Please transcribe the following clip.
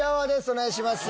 お願いします。